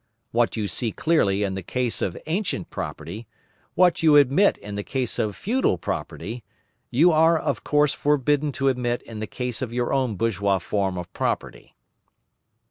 What you see clearly in the case of ancient property, what you admit in the case of feudal property, you are of course forbidden to admit in the case of your own bourgeois form of property.